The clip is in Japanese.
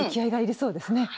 そうですね。